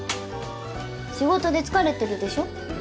仕事で疲れてるでしょ。